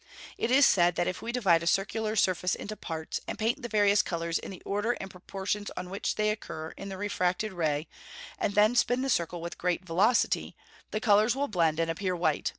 It is said that if we divide a circular surface into parts, and paint the various colours in the order and proportions in which they occur in the refracted ray, and then spin the circle with great velocity, the colours will blend and appear white.